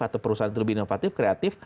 atau perusahaan itu lebih inovatif kreatif